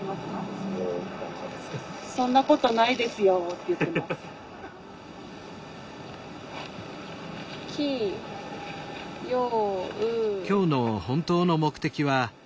「そんなことないですよ」って言ってます。